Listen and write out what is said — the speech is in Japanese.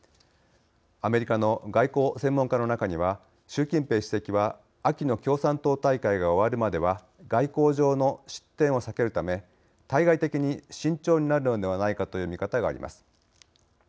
アメリカの外交専門家の中には習近平主席は秋の共産党大会が終わるまでは外交上の失点を避けるため対外的に慎重になるのではないかという見方があります。